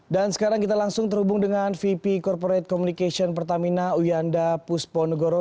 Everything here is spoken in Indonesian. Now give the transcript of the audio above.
dan sekarang kita langsung terhubung dengan vp corporate communication pertamina uyanda pusponegoro